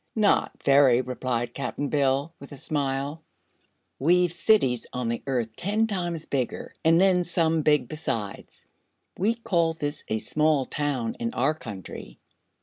"Not very," replied Cap'n Bill, with a smile. "We've cities on the Earth ten times bigger an' then some big besides. We'd call this a small town in our country."